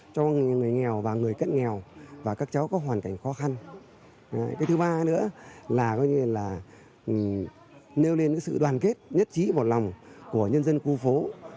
cho người nghèo và người cận nghèo và các cháu có hoàn cảnh khó khăn cái thứ ba nữa là nêu lên sự đoàn kết nhất trí vào lòng của nhân dân khu phố